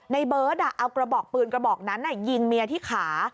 ในเบิร์ตเอากระบอกปืนกระบอกนั้นยิงเมียที่ขา